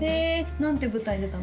何て舞台に出たの？